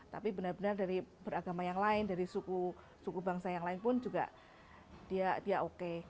tapi benar benar dari beragama yang lain dari suku bangsa yang lain pun juga dia oke